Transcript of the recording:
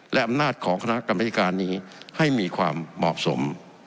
และอำนาจของคณะกรรมธิการนี้ให้มีความเหมาะสม